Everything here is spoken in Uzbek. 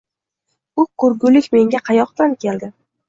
Bu ko‘rgulik menga qayoqdan keldi?